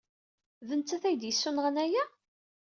D nettat ay d-yessunɣen aya?